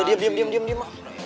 udah diam diam diam